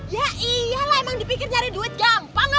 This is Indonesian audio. ya iyalah emang dipikir nyari duit gampang gak ma